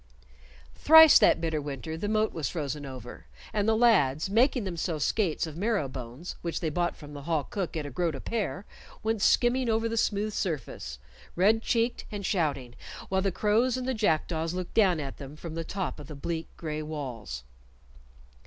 Thrice that bitter winter the moat was frozen over, and the lads, making themselves skates of marrow bones, which they bought from the hall cook at a groat a pair, went skimming over the smooth surface, red checked and shouting, while the crows and the jackdaws looked down at them from the top of the bleak gray walls.